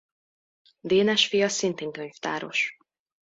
Dénes fia szintén könyvtáros.